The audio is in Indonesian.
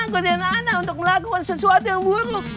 godein ana untuk melakukan sesuatu yang buruk